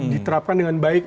diterapkan dengan baik